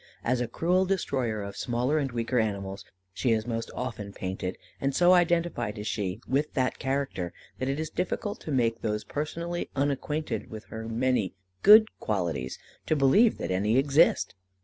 As a cruel destroyer of smaller and weaker animals she is most often painted, and so identified is she with that character, that it is difficult to make those personally unacquainted with her many good qualities to believe that any exist.